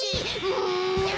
うん。